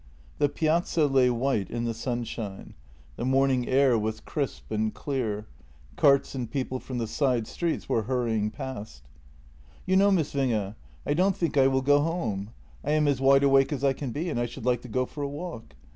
The piazza lay white in the sunshine; the morning air was JENNY 39 crisp and clear. Carts and people from the side streets were hurrying past. " You know, Miss Winge, I don't think I will go home. I am as wide awake as I can be, and I should like to go for a walk.